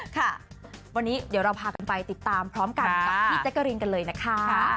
ค่ะวันนี้เดี๋ยวเราพากันไปติดตามพร้อมกันกับพี่แจ๊กกะรีนกันเลยนะคะ